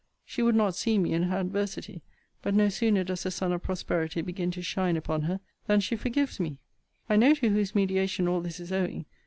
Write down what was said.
She would not see me in her adversity; but no sooner does the sun of prosperity begin to shine upon her than she forgives me. I know to whose mediation all this is owing.